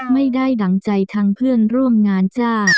ไม่ได้ดั่งใจทางเพื่อนร่วมงานจ้า